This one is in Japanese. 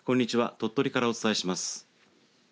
鳥取からお伝えします。